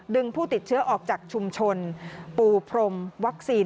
ผู้ติดเชื้อออกจากชุมชนปูพรมวัคซีน